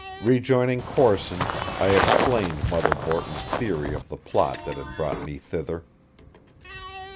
Rejoining Corson, I explained Mother Borton's theory of the plot that had brought me thither.